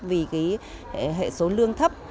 vì cái hệ số lương thấp